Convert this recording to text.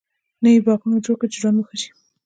نوي باغوانه جوړ کړي چی ژوند مو ښه سي